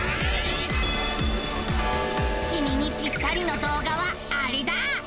きみにぴったりの動画はアレだ！